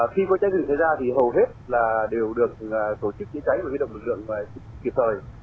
thì hầu hết là đều được tổ chức chữa cháy và vi động lực lượng kịp thời